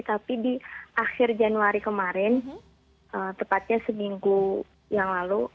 tapi di akhir januari kemarin tepatnya seminggu yang lalu